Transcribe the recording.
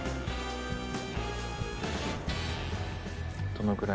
どのぐらい。